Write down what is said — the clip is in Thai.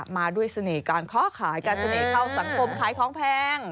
มาด้วยเสน่ห์การค้าขายการเสน่ห์เข้าสังคมขายของแพง